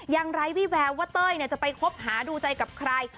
ไร้วิแววว่าเต้ยจะไปคบหาดูใจกับใคร